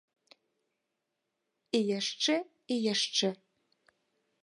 І яшчэ, і яшчэ.